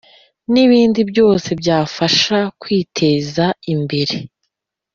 N ibindi byose byabafasha kwiteza imbere